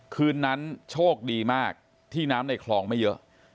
คืนนั้นโชคดีมากที่น้ำในคลองไม่เยอะ